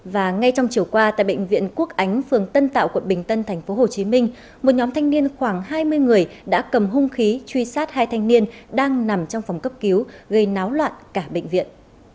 và ngay trong chiều qua tại bệnh viện quốc ánh phường tân tạo quận bình tân tp hcm một nhóm thanh niên khoảng hai mươi người đã cầm hung khí truy sát hai thanh niên đang nằm trong phòng cấp cứu gây náo loạn cả bệnh viện